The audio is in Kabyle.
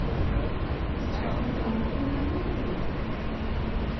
Yesɛa Yuba ugur am win-iw.